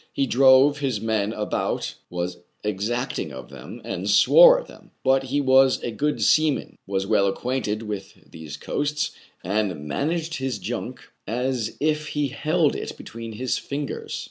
He drove his men about, was exacting of them, and swore at them ; but he was a good seaman, was well acquainted with these coasts, and man aged his junk as if he held it between his fingers.